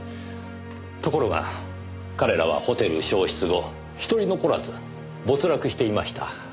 ところが彼らはホテル焼失後一人残らず没落していました。